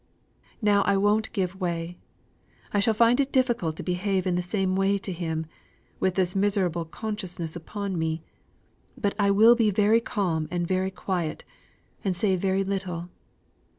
Now I won't give way. I shall find it difficult to behave in the same way to him, with this miserable consciousness upon me; but I will be very calm and very quiet, and say very little.